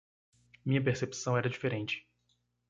Minha percepção era diferente